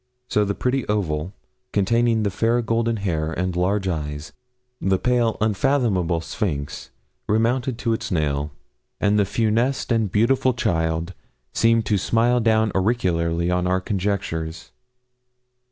So the pretty oval, containing the fair golden hair and large eyes, the pale, unfathomable sphinx, remounted to its nail, and the funeste and beautiful child seemed to smile down oracularly on our conjectures.